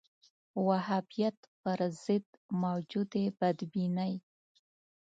وهابیت پر ضد موجودې بدبینۍ